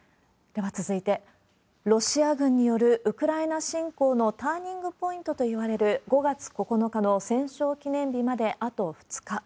では続いて、ロシア軍によるウクライナ侵攻のターニングポイントといわれる、５月９日の戦勝記念日まであと２日。